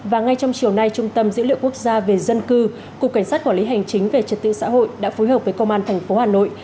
và ngay trong chiều nay trung tâm dữ liệu quốc gia về dân cư cục cảnh sát quản lý hành chính về trật tự xã hội đã phối hợp với công an tp hà nội